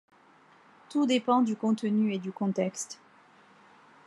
Tout dépend du contenu et du contexte.